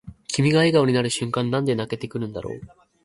君が笑顔になる瞬間なんで泣けてくるんだろう